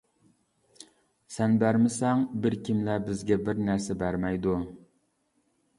سەن بەرمىسەڭ بىر كىملەر بىزگە بىر نەرسە بەرمەيدۇ.